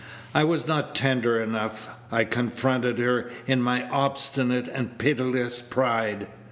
I was not tender enough. I confronted her in my obstinate and pitiless pride.